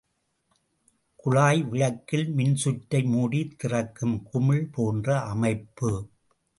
குழாய் விளக்கில் மின்சுற்றை மூடித் திறக்கும் குமிழ் போன்ற அமைப்பு.